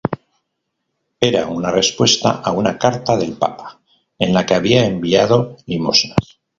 Era una respuesta a una carta del papa, en la que había enviado limosnas.